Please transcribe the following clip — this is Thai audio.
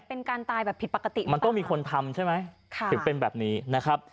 เป็นการตายแบบผิดปกติมันต้องมีคนทำใช่ไหมค่ะถึงเป็นแบบนี้นะครับ